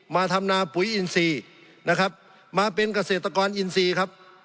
ทำนาปุ๋ยอินทรีย์นะครับมาเป็นเกษตรกรอินทรีย์ครับ